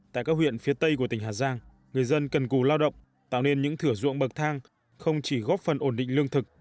tại các huyện phía tây của tỉnh hà giang người dân cần cù lao động tạo nên những thửa ruộng bậc thang không chỉ góp phần ổn định lương thực